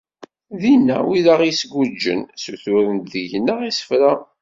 Dinna, wid i aɣ-d-isguǧen ssuturen-d deg-nneɣ isefra.